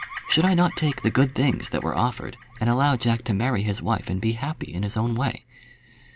Should I not take the good things that were offered, and allow Jack to marry his wife and be happy in his own way?